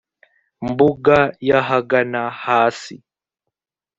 mbuga y ahagana hasi